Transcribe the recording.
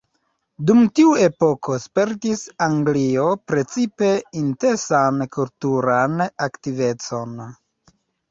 Dum tiu epoko spertis Anglio precipe intensan kulturan aktivecon.